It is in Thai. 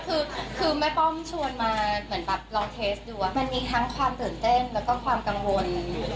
คือคือแม่ป้อมชวนมาเหมือนแบบลองเทสดูว่ามันมีทั้งความตื่นเต้นแล้วก็ความกังวล